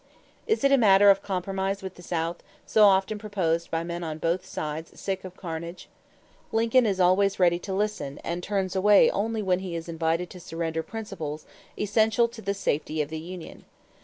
Is it a matter of compromise with the South, so often proposed by men on both sides sick of carnage? Lincoln is always ready to listen and turns away only when he is invited to surrender principles essential to the safety of the union.